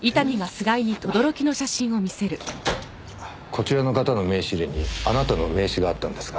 こちらの方の名刺入れにあなたの名刺があったんですが。